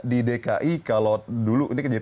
di dki kalau dulu ini kejadian